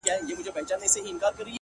د وخت مجنون يم ليونى يمه زه’